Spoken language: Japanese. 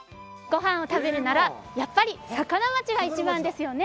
ご飯を食べるならやっぱりさかな街が一番ですよね！